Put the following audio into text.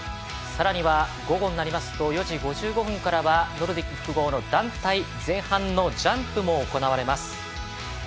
さらには、午後になりますと４時５５分からはノルディック複合団体前半のジャンプも行われます。